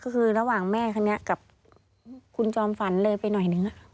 ก็คือระหว่างแม่คนนี้กับคุณจอมฝันเลยไปหน่อยนึง